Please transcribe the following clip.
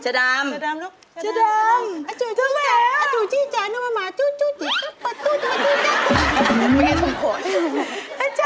ชาดามลูกชาดามโอ๊ยชาดามพูดไม่เหมือนกับเค้า